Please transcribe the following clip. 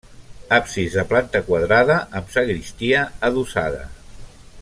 Absis de planta quadrada, amb sagristia adossada.